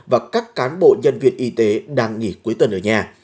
và các cán bộ nhân viên y tế đang nghỉ cuối tuần ở nhà